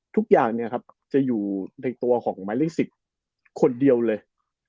ทุกอย่างจะอยู่ในตัวของหมายละเอียก๑๐คนเดียวเลย